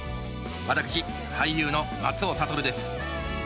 私俳優の松尾諭です